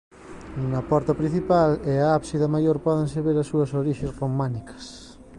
Na porta principal e a ábsida maior pódense ver as súas orixes románicas.